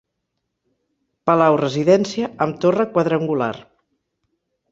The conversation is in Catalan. Palau-residència amb torre quadrangular.